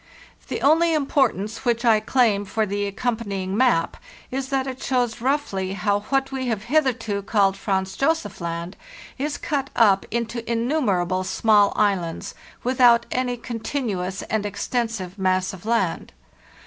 The only importance which I claim for the accompanying map is that it shows roughly how what we have hitherto called Franz Josef Land is cut up into innumerable small islands, without any continuous and extensive mass of land.